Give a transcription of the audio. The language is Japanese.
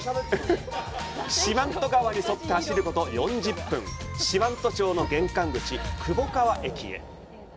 四万十川に沿って走ること４０分、四万十町の玄関口・窪川駅へ。